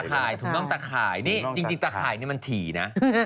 ตัวตัวมันตัวข่ายจริงตัวข่ายนี่มันถี่นะ